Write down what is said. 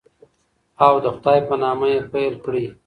او د خدای په نامه یې پیل کړئ.